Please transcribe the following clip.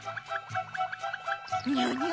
ニャニャ？